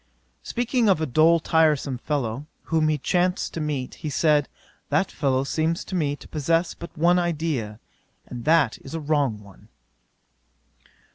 'Speaking of a dull tiresome fellow, whom he chanced to meet, he said, "That fellow seems to me to possess but one idea, and that is a wrong one."